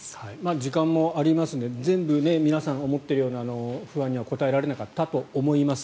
時間もありますので全部、皆さん思っているような不安には答えられなかったと思います。